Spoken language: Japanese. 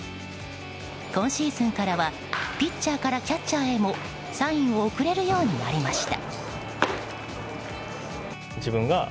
今シーズンからはピッチャーからキャッチャーへもサインを送れるようになりました。